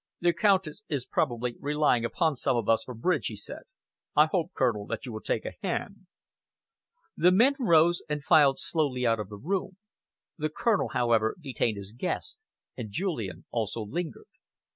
"The Countess is probably relying upon some of us for bridge," he said. "I hope, Colonel, that you will take a hand." The men rose and filed slowly out of the room. The Colonel, however, detained his host, and Julian also lingered.